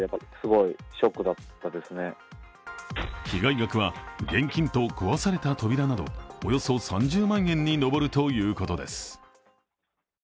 被害額は現金と壊された扉などおよそ３０万円に上るということです。